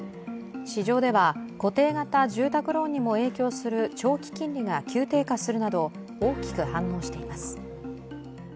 市場では固定型住宅ローンにも影響する長期金利が急低下するなど、大きく反応しています。